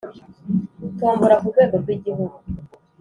tombola ku rwego rw Igihugu